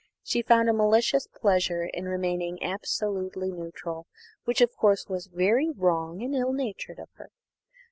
She found a malicious pleasure in remaining absolutely neutral, which of course was very wrong and ill natured of her.